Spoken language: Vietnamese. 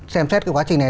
xem xét quá trình này